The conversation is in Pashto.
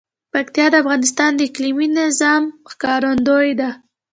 پکتیا د افغانستان د اقلیمي نظام ښکارندوی ده.